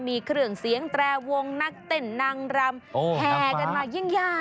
มีเครื่องเสียงแตรวงนักเต้นนางรำแห่กันมายิ่งใหญ่